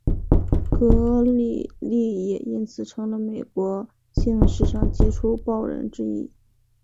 格里利也因此成为了美国新闻史上杰出报人之一。